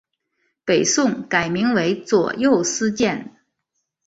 北宋改名为左右司谏。